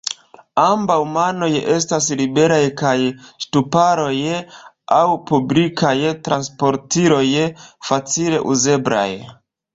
Ambaŭ manoj estas liberaj kaj ŝtuparoj aŭ publikaj transportiloj facile uzeblaj.